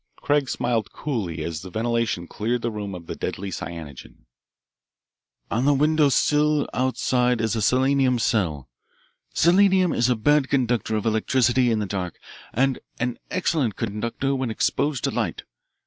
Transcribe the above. Craig smiled coolly as the ventilation cleared the room of the deadly cyanogen. "On the window sill outside is a selenium cell. Selenium is a bad conductor of electricity in the dark, and an excellent conductor when exposed to light.